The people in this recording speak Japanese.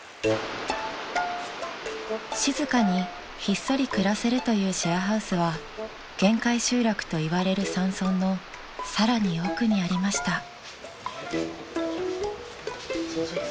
［静かにひっそり暮らせるというシェアハウスは限界集落といわれる山村のさらに奥にありました］